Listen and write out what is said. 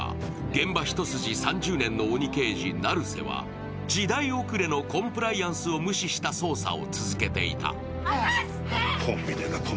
現場一筋３０年の鬼刑事・成瀬は時代後れのコンプライアンスを無視した捜査を続けていた。